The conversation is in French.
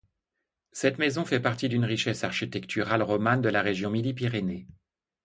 Cette maison fait partie d'une richesse architecturale romane de la région Midi-Pyrénées.